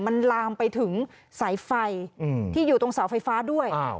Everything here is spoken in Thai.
มันลามไปถึงสายไฟที่อยู่ตรงเสาไฟฟ้าด้วย